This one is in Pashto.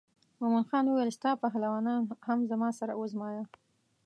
مومن خان وویل ستا پهلوانان هم زما سره وازمایه.